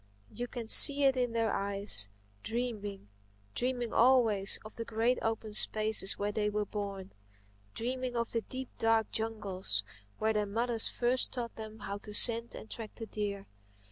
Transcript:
You can see it in their eyes, dreaming—dreaming always of the great open spaces where they were born; dreaming of the deep, dark jungles where their mothers first taught them how to scent and track the deer.